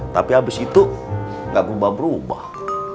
tapi abis itu nggak berubah berubah